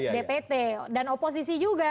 dpt dan oposisi juga